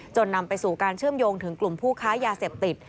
นำไปสู่การเชื่อมโยงถึงกลุ่มผู้ค้ายาเสพติด